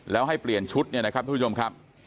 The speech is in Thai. แล้วให้เปลี่ยนชุดเนี่ยนะครับทุกผู้ชมครับ